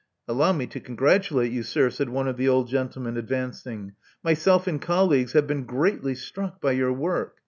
Allow me to congratulate you, sir," said one of the old gentlemen, advancing. ''Myself and colleagues have been greatly struck by your work.